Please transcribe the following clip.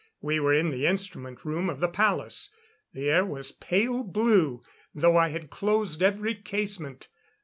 We were in the instrument room of the palace. The air was pale blue, though I had closed every casement.